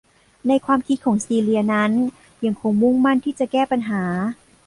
ในความคิดของซีเลียนั้นยังคงมุ่งมั่นที่จะแก้ปัญหา